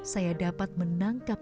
saya dapat menangkap